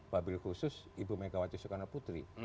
bapak ibu khusus ibu megawati sukarno putri